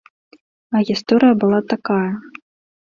А гісторыя была такая.